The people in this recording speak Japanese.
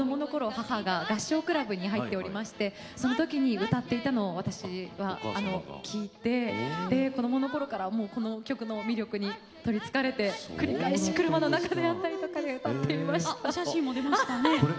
母が合唱クラブに入っておりまして、その時に歌っていたのを私は聴いて子どものころからこの曲の魅力にとりつかれて繰り返し、車の中だったりとか歌っていました。